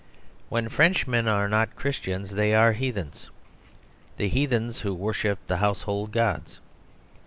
When Frenchmen are not Christians they are hea thens ; the heathens who worshipped the house hold gods.